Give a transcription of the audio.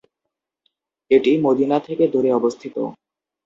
এটি মদিনা থেকে দূরে অবস্থিত।